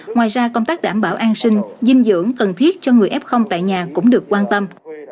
ngoài ra công tác đảm bảo an sinh dưỡng cần thiết cho người f tại nhà cũng được quan tâm